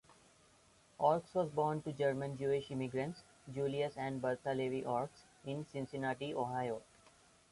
Ochs was born to German-Jewish immigrants, Julius and Bertha Levy Ochs, in Cincinnati, Ohio.